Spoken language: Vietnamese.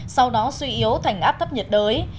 sau đó suy yếu thành áp thấp nhiệt đới